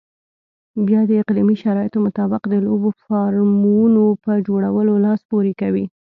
بیا د اقلیمي شرایطو مطابق د لویو فارمونو په جوړولو لاس پورې کوي.